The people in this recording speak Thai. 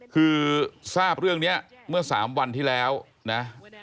คือทราบเรื่องนี้เมื่อ๓วันที่แล้วนะ